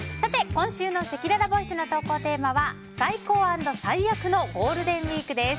今週のせきららボイスの投稿テーマは最高＆最低のゴールデンウィークです。